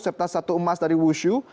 serta satu emas dari wushu